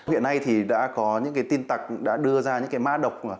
hiện nay thì đã có những cái tin tặc đã đưa ra những cái mã độc